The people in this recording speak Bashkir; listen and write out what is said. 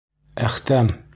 Әхтәм.